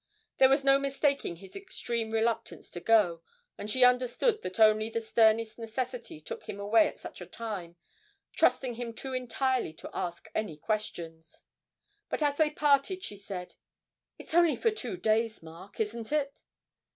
There was no mistaking his extreme reluctance to go, and she understood that only the sternest necessity took him away at such a time, trusting him too entirely to ask any questions. But as they parted she said, 'It's only for two days, Mark, isn't it?'